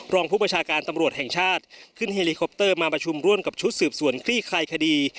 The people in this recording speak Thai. รองผู้ประชาการตำรวจแห่งชาติขึ้นเฮลิคอปเตอร์มาประชุมร่วมกับชุดสืบสวนคลี่คลายคดี